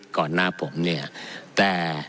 ก่อนหน้าผมเนี่ยแต่